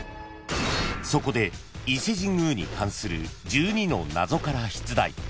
［そこで伊勢神宮に関する１２の謎から出題］